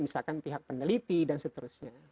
misalkan pihak peneliti dan seterusnya